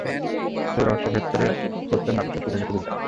সেই রহস্য ভেদ করতে নাভিশ্বাঃস উঠে গেছে বিজ্ঞানীদের।